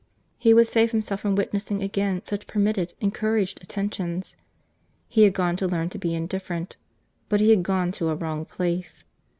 He would save himself from witnessing again such permitted, encouraged attentions.—He had gone to learn to be indifferent.—But he had gone to a wrong place.